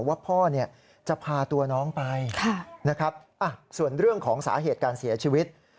ว่าพ่อจะพาตัวน้องไปนะครับส่วนเรื่องของสาเหตุการเสียชีวิต